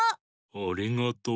ありがとう。